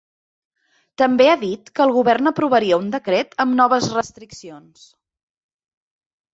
També ha dit que el govern aprovaria un decret amb noves restriccions.